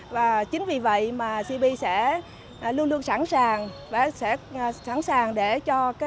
và chính vì vậy mà cp sẽ luôn luôn sẵn sàng và sẽ sẵn sàng để cho